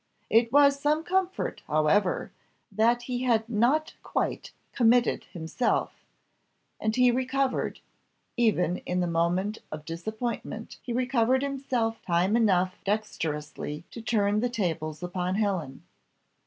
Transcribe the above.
It was some comfort, however, that he had not quite committed himself, and he recovered even in the moment of disappointment he recovered himself time enough dexterously to turn the tables upon Helen.